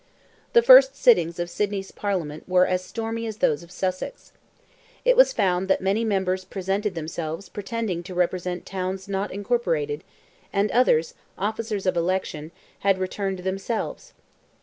The first sittings of Sidney's Parliament were as stormy as those of Sussex. It was found that many members presented themselves pretending to represent towns not incorporated, and others, officers of election, had returned themselves.